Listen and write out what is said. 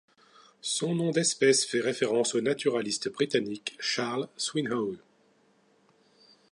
Son nom d'espèce fait référence au naturaliste britannique Charles Swinhoe.